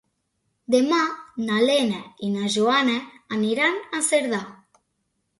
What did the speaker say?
Demà na Lena i na Joana aniran a Cerdà.